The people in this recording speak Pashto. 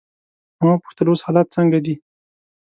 ما وپوښتل: اوس حالات څنګه دي؟